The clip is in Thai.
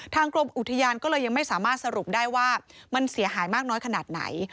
กรมอุทยานก็เลยยังไม่สามารถสรุปได้ว่ามันเสียหายมากน้อยขนาดไหน